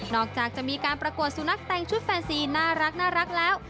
อกจากจะมีการประกวดสุนัขแต่งชุดแฟนซีน่ารักแล้ว